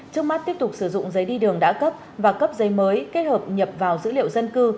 trước mắt tiếp tục sử dụng giấy đi đường đã cấp và cấp giấy mới kết hợp nhập vào dữ liệu dân cư